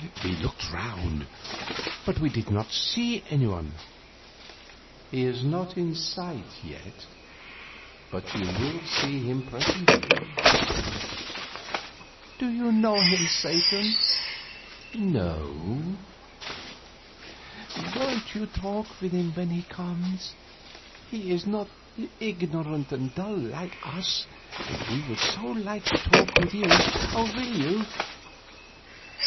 We looked around, but did not see any one. "He is not in sight yet, but you will see him presently." "Do you know him, Satan?" "No." "Won't you talk with him when he comes? He is not ignorant and dull, like us, and he would so like to talk with you. Will you?"